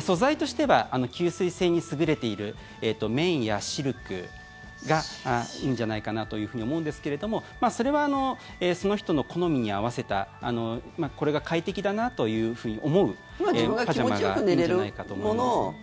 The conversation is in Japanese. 素材としては吸水性に優れている綿やシルクがいいんじゃないかなというふうに思うんですけれどもそれはその人の好みに合わせたこれが快適だなと思うパジャマがいいんじゃないかと思いますね。